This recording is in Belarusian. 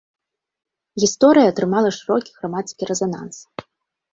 Гісторыя атрымала шырокі грамадскі рэзананс.